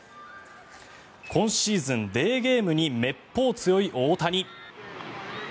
今シーズン、デーゲームにめっぽう強い大谷。